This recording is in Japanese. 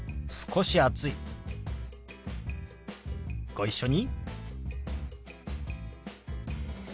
ご一緒に。